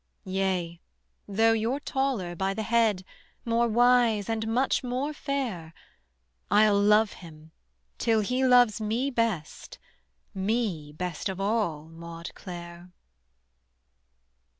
"Yea, though you're taller by the head, More wise, and much more fair; I'll love him till he loves me best, Me best of all, Maude Clare."